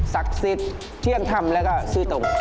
สิทธิ์เที่ยงธรรมแล้วก็ซื้อตรง